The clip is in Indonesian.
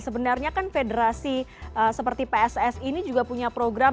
sebenarnya kan federasi seperti pssi ini juga punya program